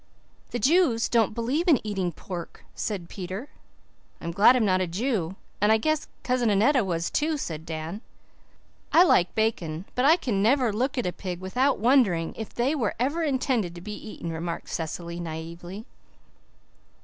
"The Jews don't believe in eating pork," said Peter. "I'm glad I'm not a Jew and I guess Cousin Annetta was too," said Dan. "I like bacon, but I can never look at a pig without wondering if they were ever intended to be eaten," remarked Cecily naively.